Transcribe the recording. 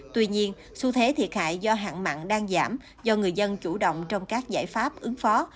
tuy nhiên xu thế thiệt hại do hạn mặn đang giảm do người dân chủ động trong các giải pháp ứng phó